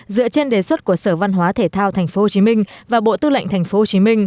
dựa trên đề xuất của sở văn hóa thể thao tp hcm và bộ tư lệnh tp hcm